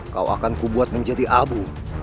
kau akan kubuat menjadi abu